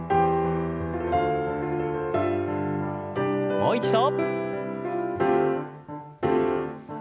もう一度。